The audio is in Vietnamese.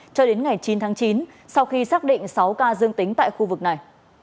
cho đến ngày chín tháng chín sau khi xác định sáu ca dương tính tại khu vực này